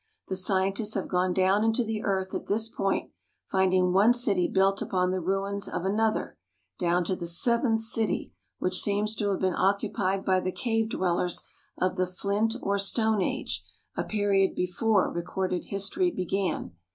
The scientists have gone down into the earth at this point, finding one city built upon the ruins of another, down to the seventh city, which seems to have been oc cupied by the cave dwellers of the Flint or Stone Age, a period before recorded history began.